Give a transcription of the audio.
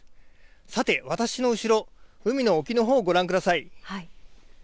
さて私の後ろ海の沖のほうをご覧ください。